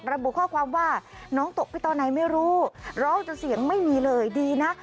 ระบุข้อความว่าน้องตกไปตอนไหนไม่รู้ร้องแต่เสียงไม่มีเลยดีนะ